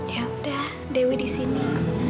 ya udah dewi disini